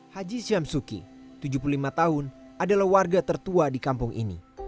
haji syamsuki tujuh puluh lima tahun adalah warga tertua di kampung ini